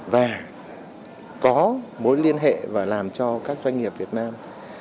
và có mối liên hệ và làm cho các doanh nghiệp việt nam